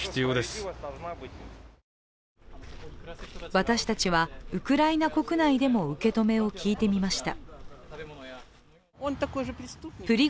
私たちは、ウクライナ国内でも受け止めを聞いてみました。